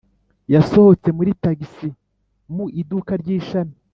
yasohotse muri tagisi mu iduka ry’ishami.